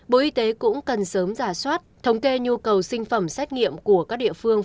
bộ y tế cũng cần sớm giả soát thống kê nhu cầu sinh phẩm xét nghiệm của các địa phương